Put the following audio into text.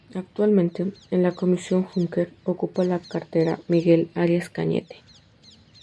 Actualmente, en la Comisión Juncker, ocupa la cartera Miguel Arias Cañete.